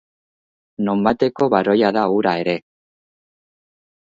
Nonbaiteko baroia da hura ere.